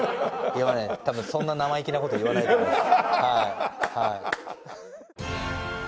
でもね多分そんな生意気な事言わないと思います。